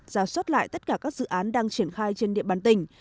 giáo suất lại tất cả các dự án đang triển khai trên địa bàn tỉnh